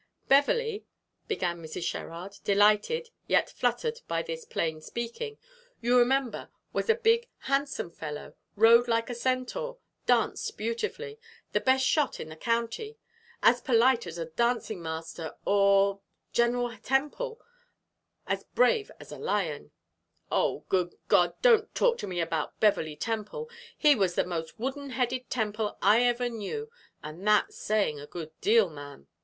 "Beverley," began Mrs. Sherrard, delighted, yet fluttered by this plain speaking, "you remember, was a big, handsome fellow rode like a centaur, danced beautifully, the best shot in the county as polite as a dancing master or General Temple as brave as a lion " "Oh, good God, don't talk to me about Beverley Temple! He was the most wooden headed Temple I ever knew, and that's saying a good deal, ma'am!"